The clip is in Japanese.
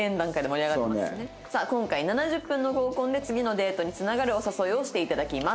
さあ今回７０分の合コンで次のデートに繋がるお誘いをして頂きます。